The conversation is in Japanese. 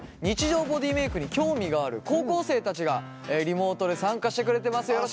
日常ボディーメイクに興味がある高校生たちがリモートで参加してくれてます